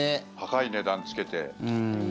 高い値段つけて。